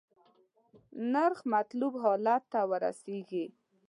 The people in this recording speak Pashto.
نرخ مطلوب حالت ته ورسیږي.